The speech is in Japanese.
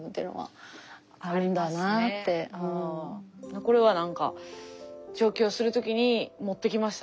これはなんか上京する時に持ってきましたね。